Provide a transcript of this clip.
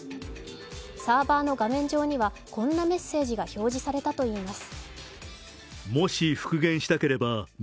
サーバーの画面上にはこんなメッセージが表示されたといいます。